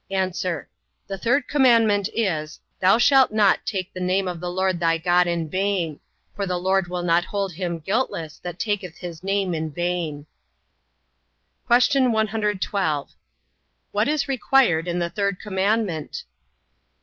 A. The third commandment is, Thou shalt not take the name of the LORD thy God in vain: for the LORD will not hold him guiltless that taketh his name in vain. Q. 112. What is required in the third commandment?